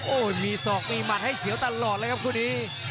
โอ้โหมีศอกมีหมัดให้เสียวตลอดเลยครับคู่นี้